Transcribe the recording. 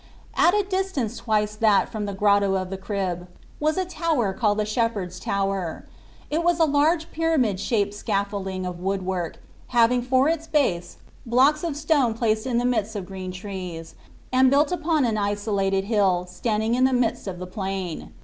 At a distance twice that from the Grotto of the Crib, was a tower called the Shepherd s Tower: it was a large pyramid shaped scaf folding of woodwork, having for its base blocks of stone placed in the midst of green trees, and built upon an isolated hill stand ing in the midst of the plain.